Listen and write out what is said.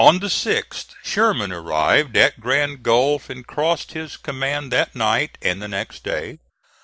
On the 6th Sherman arrived at Grand Gulf and crossed his command that night and the next day.